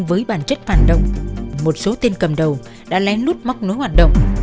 với bản chất phản động một số tên cầm đầu đã lén lút móc nối hoạt động